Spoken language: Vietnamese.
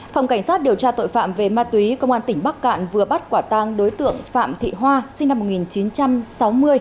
phòng cảnh sát điều tra tội phạm về ma túy công an tỉnh bắc cạn vừa bắt quả tang đối tượng phạm thị hoa sinh năm một nghìn chín trăm sáu mươi